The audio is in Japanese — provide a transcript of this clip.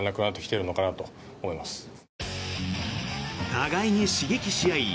互いに刺激し合い